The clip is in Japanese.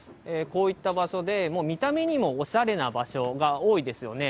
こういった場所で、もう見た目にもおしゃれな場所が多いですよね。